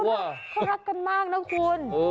เขารักกันมากนะคุณ